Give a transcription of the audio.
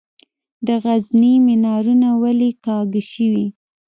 د غزني منارونه ولې کږه شوي؟